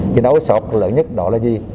nỗi đau sọc lớn nhất đó là gì